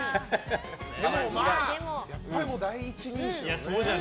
でもまあ、やっぱり第一人者。